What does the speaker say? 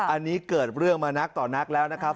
อันนี้เกิดเรื่องมานักต่อนักแล้วนะครับ